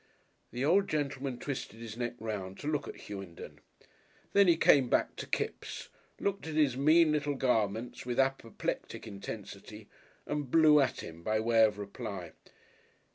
The old gentleman twisted his neck round to look at "Hughenden." Then he came back to Kipps, looked at his mean, little garments with apoplectic intensity and blew at him by way of reply.